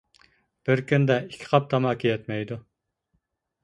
بىر كۈندە ئىككى قاپ تاماكا يەتمەيدۇ.